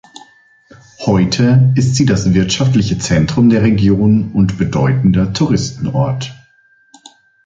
Heute ist sie das wirtschaftliche Zentrum der Region und bedeutender Touristenort.